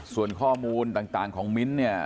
ส่วนข้อมูลต่างของมิ้นท์เนี่ย